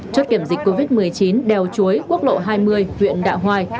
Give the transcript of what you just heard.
chốt kiểm dịch covid một mươi chín đeo chuối quốc lộ hai mươi huyện đạo hoài